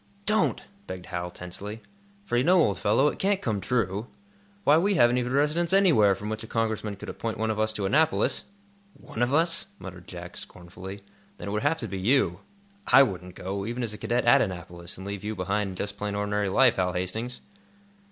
"Don't!" begged Hal, tensely. "For you know, old fellow, it can't come true. Why, we haven't even a residence anywhere, from which a Congressman could appoint one of us to Annapolis!" "One of us?" muttered Jack, scornfully. "Then it would have to be you. I wouldn't go, even as a cadet at Annapolis, and leave you behind in just plain, ordinary life, Hal Hastings!"